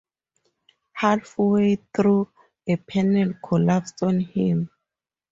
Halfway through, a panel collapses on him.